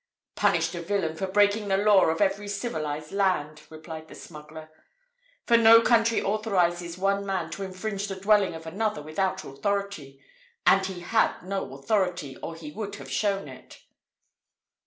"Punished a villain for breaking the law of every civilized land," replied the smuggler; "for no country authorizes one man to infringe the dwelling of another without authority; and he had no authority, or he would have shown it.